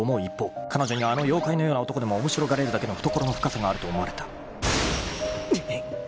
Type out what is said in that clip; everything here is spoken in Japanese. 一方彼女にはあの妖怪のような男でも面白がれるだけの懐の深さがあると思われた］